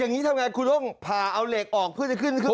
อันนี้ทำงานคุณต้องผ่าเอาเหล็กออกเพื่อจะขึ้นขึ้นปิด